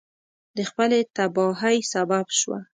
د خپلې تباهی سبب سوه.